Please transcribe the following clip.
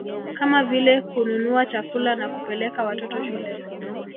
Kama vile kununua chakula na kupeleka watoto shule